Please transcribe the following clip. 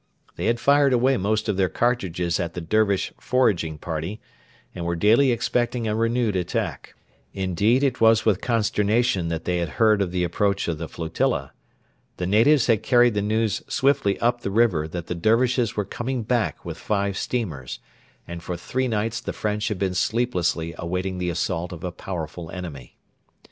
They had fired away most of their cartridges at the Dervish foraging party, and were daily expecting a renewed attack. Indeed, it was with consternation that they had heard of the approach of the flotilla. The natives had carried the news swiftly up the river that the Dervishes were coming back with five steamers, and for three nights the French had been sleeplessly awaiting the assault of a powerful enemy.